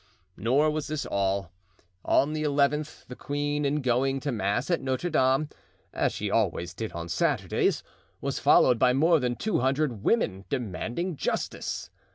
Nor was this all. On the eleventh the queen in going to mass at Notre Dame, as she always did on Saturdays, was followed by more than two hundred women demanding justice.